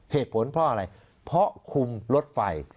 เหตุผลเพราะอะไรเพราะคุมรถไฟ